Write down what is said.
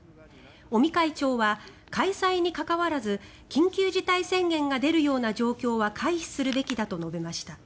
尾身会長は開催にかかわらず緊急事態宣言が出るような状況は回避するべきだと述べました。